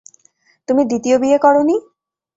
তুমি দ্বিতীয় বিয়ে করো নি?